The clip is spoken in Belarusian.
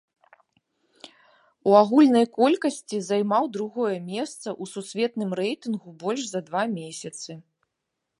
У агульнай колькасці займаў другое месца ў сусветным рэйтынгу больш за два месяцы.